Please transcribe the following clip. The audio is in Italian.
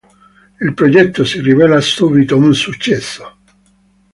Il progetto si rivela subito un successo.